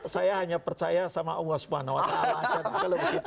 saya hanya percaya sama allah swt